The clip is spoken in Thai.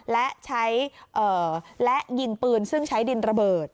และใช้และยิงปืนซึ่งใช้ดินระเบิด